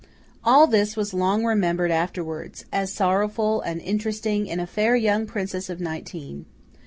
All this was long remembered afterwards, as sorrowful and interesting in a fair young princess of nineteen.